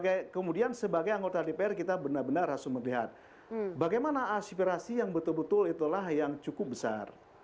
dan kemudian sebagai anggota dpr kita benar benar harus melihat bagaimana aspirasi yang betul betul itulah yang cukup besar